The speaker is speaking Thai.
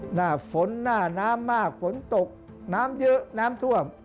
หน้าฝนหน้าน้ำมากฝนตกน้ำเยอะน้ำท่วม